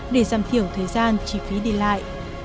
để giảm thiểu thời gian chi phí đi lại